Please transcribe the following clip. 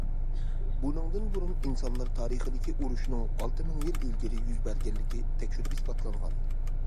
بۇنىڭدىن بۇرۇن ئىنسانلار تارىخىدىكى ئۇرۇشنىڭ ئالتە مىڭ يىل ئىلگىرى يۈز بەرگەنلىكى تەكشۈرۈپ ئىسپاتلانغان.